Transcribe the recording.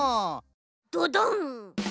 ドドン！